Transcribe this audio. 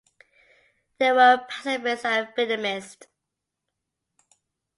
They were pacifists and feminists.